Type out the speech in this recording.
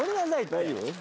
大丈夫？